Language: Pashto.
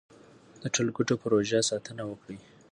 د ټولګټو پروژو ساتنه وکړئ.